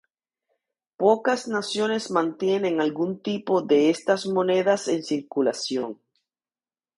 Pocas naciones mantienen algún tipo de estas monedas en circulación.